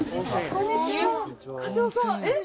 こんにちは。